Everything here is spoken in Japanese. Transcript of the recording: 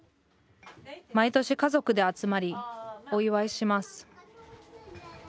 毎年家族で集まりお祝いします